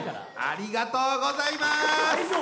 ありがとうございます。